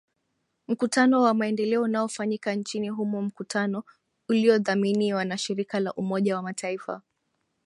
mkutano wa maendeleo unaofanyika nchini humo mkutano uliodhaminiwa na shirika la umoja wa mataifa